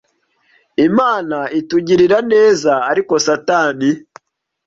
Imana itugirira neza ariko satani